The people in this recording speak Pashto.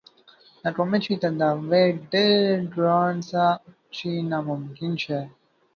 د کومې چې تداوے ډېر ګران څۀ چې ناممکن شي